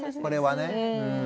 これはね。